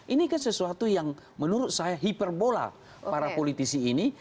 ini kan sesuatu yang menurut saya hiperbola para politisi ini